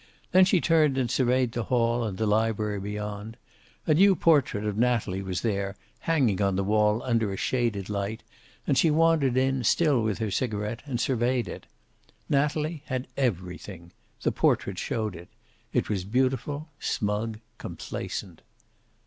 Then she turned and surveyed the hall and the library beyond. A new portrait of Natalie was there, hanging on the wall under a shaded light, and she wandered in, still with her cigaret, and surveyed it. Natalie had everything. The portrait showed it. It was beautiful, smug, complacent.